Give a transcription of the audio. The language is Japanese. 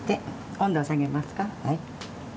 温度を下げますか。